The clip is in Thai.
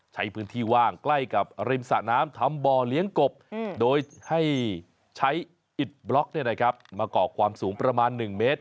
ใช้พื้นที่ว่างใกล้กับริมสะน้ำทำบ่อเลี้ยงกบโดยให้ใช้อิดบล็อกมาก่อความสูงประมาณ๑เมตร